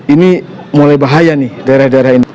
ini mulai bahaya nih daerah daerah ini